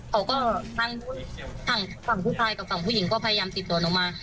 เขาก็ทางฝั่งผู้ชายกับฝั่งผู้หญิงก็พยายามติดต่อหนูมา